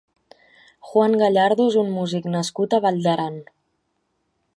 Juan Gallardo és un músic nascut a Vall d’Aran.